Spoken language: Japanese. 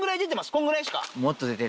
こんぐらいですか？